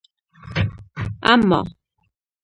اما